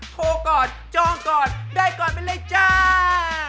โทรก่อนจองก่อนได้ก่อนไปเลยจ้า